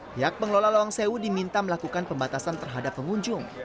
pihak pengelola lawang sewu diminta melakukan pembatasan terhadap pengunjung